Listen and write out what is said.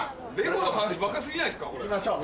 さぁいきましょう。